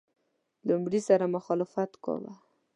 لومړي سره مخالفت کاوه.